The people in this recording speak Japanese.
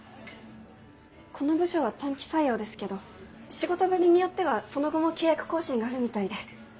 この部署は短期採用ですけど仕事ぶりによってはその後も契約更新があるみたいで。